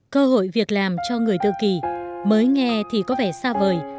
cơ hội việc làm cho người tự kỳ mới nghe thì có vẻ xa vời